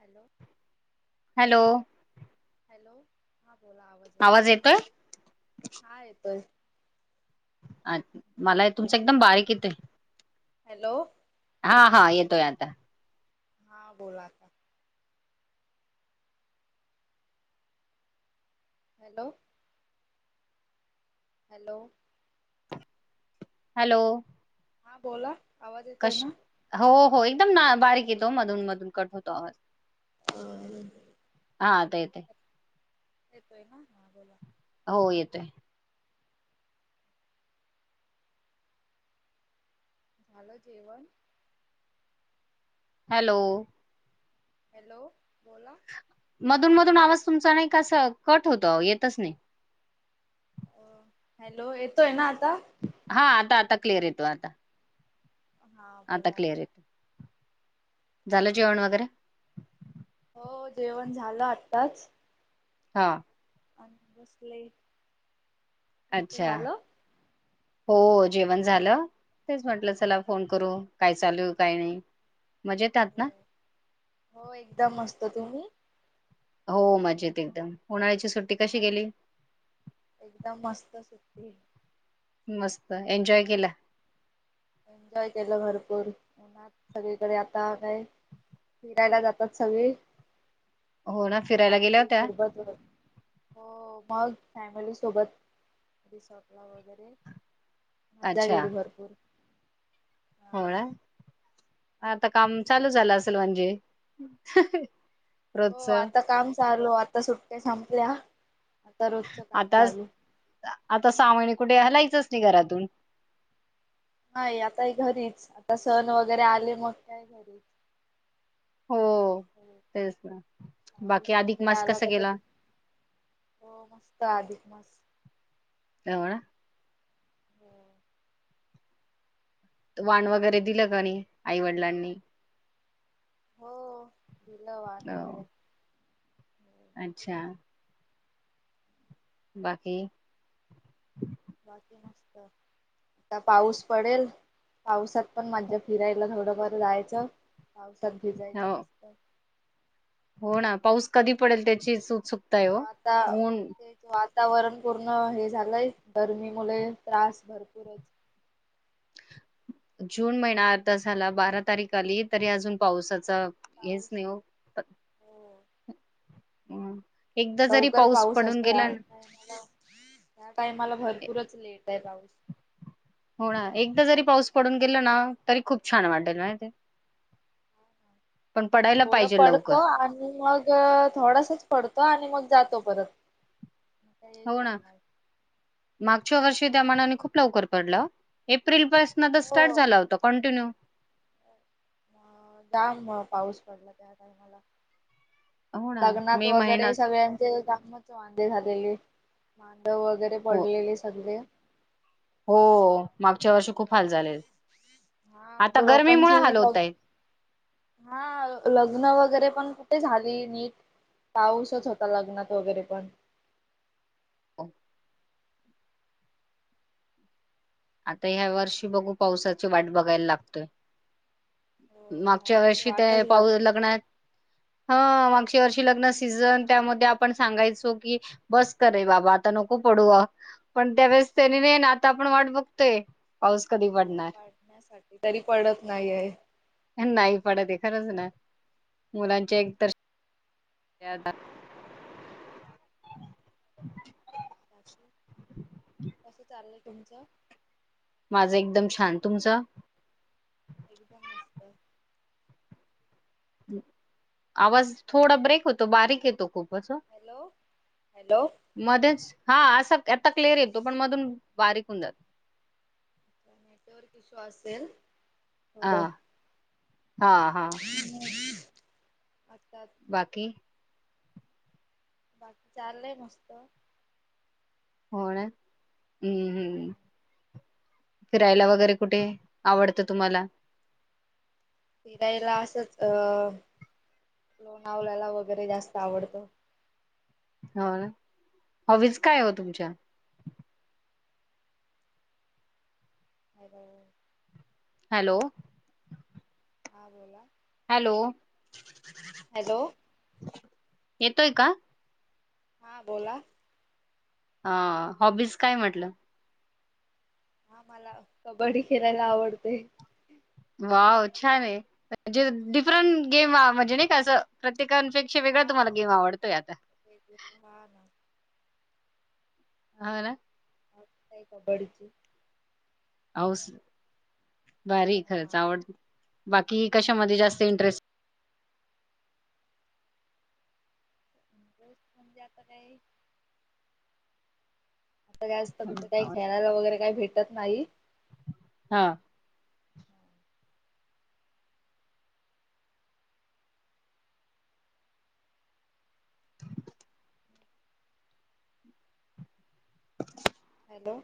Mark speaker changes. Speaker 1: Hello
Speaker 2: hello.
Speaker 1: Hello हां. बोला आवाज येतोय? हा येतोय.
Speaker 2: अ मला ही तुमचा एकदम बारीक येतंय.
Speaker 1: हॅलो.
Speaker 2: हा हा येतोय आता.
Speaker 1: हा बोला आता. हॅलो. हॅलो.
Speaker 2: हॅलो.
Speaker 1: हा बोला आवाज येतोय
Speaker 2: कश
Speaker 1: ना
Speaker 2: हो हो एकदम ना बारीक येतो मधून मधून कट होतो आवाज
Speaker 1: हो
Speaker 2: हा आता येत
Speaker 1: येतोय ना हा बोला
Speaker 2: हो येतय
Speaker 1: झालं जेवण
Speaker 2: हॅलो
Speaker 1: हॅलो बोला
Speaker 2: मधून म द आवाज तुमचा नाही क कट होत येतच नाही
Speaker 1: हॅलो येतोय ना आता
Speaker 2: हा आता आता क्लिअर येतो आता
Speaker 1: हा
Speaker 2: आता
Speaker 1: बोला
Speaker 2: क्लिअर येतो झालं जेवण वगैरे
Speaker 1: हो जेवण झालं आत्ताच
Speaker 2: हा
Speaker 1: आणि बसले आमचं
Speaker 2: अच्छा
Speaker 1: झालं
Speaker 2: हो जेवण झालं तेच म्हटलं चला फोन करू काय चालू काय नाही मजेत आहात ना
Speaker 1: हो एकदम मस्त तुम्ही
Speaker 2: हो मजेत एकदम होणाळ्याची
Speaker 1: एकदम मस्त सु ते
Speaker 2: मस्त एन्जॉय केला
Speaker 1: एन्जॉय केलं भरपूर उ्हात सगळीकडे आता काय फिरायला जातात सगळी
Speaker 2: हो ना फिरायला गेल्या
Speaker 1: फॅमिली
Speaker 2: होत्या?
Speaker 1: सोबत हो मग फॅमिली सोबत रिसॉर्टला वगैरे मज्जा गेली भरपूर हा
Speaker 2: होय आता काम चालू झालं असेल म्हणजे
Speaker 1: हो
Speaker 2: रोजच
Speaker 1: आता काम चालू आता सुट काय संपल्या आता रोजच काम
Speaker 2: आता
Speaker 1: चालू
Speaker 2: आता सावने कुठे हलायचच नाही घरातून
Speaker 1: नाही आता घरीच आता सण वगैरे आले मग काय घरीच
Speaker 2: हो तेच ना बाकी
Speaker 1: पाऊस
Speaker 2: अधिक
Speaker 1: वगैरे
Speaker 2: मास
Speaker 1: आला
Speaker 2: कसा गेला?
Speaker 1: तरता हो मस्त आधिक मस्
Speaker 2: एवणा
Speaker 1: होम
Speaker 2: वाण वगैरे दिलं काणी आई वडिलांनी
Speaker 1: हो दिला वान
Speaker 2: हो
Speaker 1: वगरे
Speaker 2: अच्छा बाकी
Speaker 1: बाकी मस्त आता पाऊस पडेल पावसात पण माझ्या फिरायला थोडंफार जायचं पावसात
Speaker 2: हो
Speaker 1: भिजायचं नसतं
Speaker 2: हो ना पाऊस कधी पडेल त्याचीच सुक्ताय
Speaker 1: हो आता
Speaker 2: हन
Speaker 1: तेच वातावरण पूर्ण हे झालंय गरमी मुळे त्रास भरपूरच
Speaker 2: जून महिना अर्ध झाला बारा तारीख आली तरी अजून पावसाचा हेच
Speaker 1: पाऊस
Speaker 2: नाही हो
Speaker 1: हो
Speaker 2: हं. एकदा जरी
Speaker 1: लवकर पाऊस
Speaker 2: पडून
Speaker 1: असतो, ह,
Speaker 2: गेला ना
Speaker 1: ह्या टायमाला भरपूरच लेट आहे पाऊस.
Speaker 2: हो ना एकदा जरी पाऊस पडून गेला ना तरी खूप छान वाटेल माहिती. पण पडायला
Speaker 1: थोड
Speaker 2: पाहिजे लवकर
Speaker 1: पडतो आणि मग थोडासच पडतो आणि मग. जातो परत. [unintelligible]
Speaker 2: च्या वर्षी मानाने खूप लवकर पडला ओ. एप्रिल पासून स्टार्ट
Speaker 1: हो
Speaker 2: झाला होता कंटिन्यू.
Speaker 1: [unintelligible]
Speaker 2: हो ना
Speaker 1: लग्नात
Speaker 2: मे महिना
Speaker 1: वगैरे सगळ्यांचे वांदे झालेले. वगैरे
Speaker 2: हो
Speaker 1: पडलेले सगळे.
Speaker 2: हो मागच्या वर्षी खूप हाल झालेल.
Speaker 1: हा म्हणजे लोकांची हा लग लग्न वगैरे पण कुठे झाली नीट, पाऊसच होता लग्नात वगैरे पण.
Speaker 2: हो, आता ह्या वर्षी बघू, पावसाची वाट बघायला लागतय.
Speaker 1: हो ह्या
Speaker 2: मागच्या वर्षी ते
Speaker 1: वाटच
Speaker 2: पाऊ
Speaker 1: बघायला
Speaker 2: लग्नात
Speaker 1: लागली.
Speaker 2: हा माग लग्न सिझन त्या मध्ये आपण सांगायचो, की बस करे बाबा आता नको पडू पण त्यावेळेस. नाही ना आता आपण वाट बघ ते.
Speaker 1: हो पढण्यासाठी तरी पडत नाही आहे.
Speaker 2: नाही पडतते खरंच ना मुलांचे एक तर. ददा [unintelligible]
Speaker 1: कस चाललंय तुमचं.
Speaker 2: माझा एकदम छान, तुमच.
Speaker 1: एकदम मस्त.
Speaker 2: आवाज थोडा ब्रेक होतो, बारीक येतो.
Speaker 1: हॅलो हॅलो
Speaker 2: मध्येच. हां असं आता क्लिअर येतो पण मधून बारीक होऊन जातो.
Speaker 1: नेटवर्क इशू असेल.
Speaker 2: हा
Speaker 1: द
Speaker 2: हा हा
Speaker 1: [inaudible] आता
Speaker 2: बाकी?
Speaker 1: बाकी चाललय मस्त.
Speaker 2: होय, हम्-हम्. फिरायला वगैरे कुठे आवडतं तुम्हाला?
Speaker 1: फिरायला असंच अ लोणावळ्याला वगैरे जास्त आवडतं.
Speaker 2: व्हय, हवीच काय ओ तुमच्या?
Speaker 1: हॅलो.
Speaker 2: हॅलो,
Speaker 1: हा बोला.
Speaker 2: हॅलो,
Speaker 1: हॅलो,
Speaker 2: येतोय का?
Speaker 1: हा बोला.
Speaker 2: हा हॉबीज काय म्हटलं?
Speaker 1: हा मला कबड्डी खेळायला आवडते.
Speaker 2: वाव छान आहे. मझे
Speaker 1: हा
Speaker 2: डिफरंट गेम म्हणजे नाही का असं प्रत्येक कांनच्यापेक्षा वेगळा
Speaker 1: हा
Speaker 2: तुम्हांला गेम आवडतोय आता.
Speaker 1: ना
Speaker 2: हो ना.
Speaker 1: हाऊस हाय कबड्डीची.
Speaker 2: औस भारी खरंच
Speaker 1: हा
Speaker 2: आवड, बाकी कशामध्ये जास्त इंटरेस्ट
Speaker 1: इंटरेस्ट म्हणजे आता काय. त्याच तर कुठे काही खेळायला वगैरे काही भेटत नाही.
Speaker 2: हा [inaudible]
Speaker 1: हॅलो.